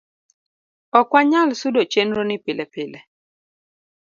ok wanyal sudo chenro ni pile pile